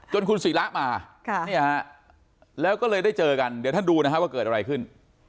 คุณศิระมาแล้วก็เลยได้เจอกันเดี๋ยวท่านดูนะฮะว่าเกิดอะไรขึ้น